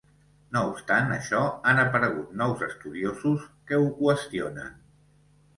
No obstant això han aparegut nous estudiosos que ho qüestionen.